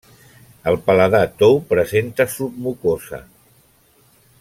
El paladar tou presenta submucosa.